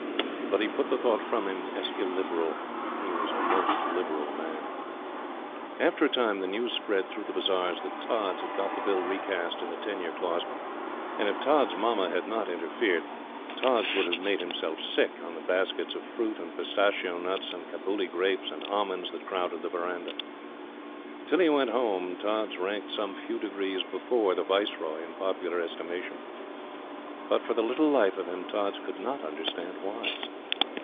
But he put the thought from him as illiberal. He was a most Liberal Man. After a time the news spread through the bazars that Tods had got the Bill recast in the tenure clause, and if Tods' Mamma had not interfered, Tods would have made himself sick on the baskets of fruit and pistachio nuts and Cabuli grapes and almonds that crowded the verandah. Till he went Home, Tods ranked some few degrees before the Viceroy in popular estimation. But for the little life of him Tods could not understand why.